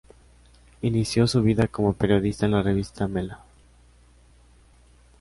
Inició su vida como periodista en la revista "Mella".